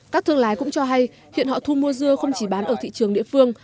các thương lái cũng cho hay hiện họ thu mua dưa không chỉ bán ở thị trường địa phương